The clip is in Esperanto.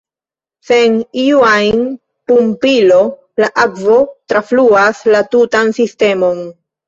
Sen iu ajn pumpilo la akvo trafluas la tutan sistemon.